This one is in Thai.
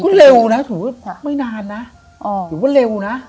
ก็เร็วนะถือว่าไม่นานนะถือว่าเร็วนะ